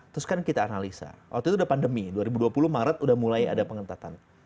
terus kan kita analisa waktu itu udah pandemi dua ribu dua puluh maret udah mulai ada pengentatan